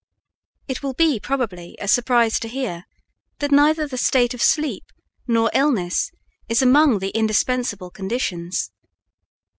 It will be probably a surprise to hear that neither the state of sleep nor illness is among the indispensable conditions.